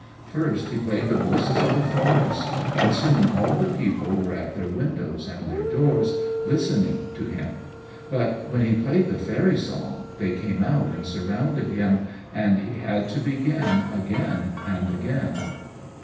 First he played the voices of the forest, and soon all the people were at their windows and their doors, listening to him; but when he played the fairy song, they came out and surrounded him, and he had to begin again and again.